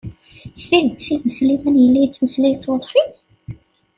S tidet sidna Sliman yella yettmeslay d tweḍfin?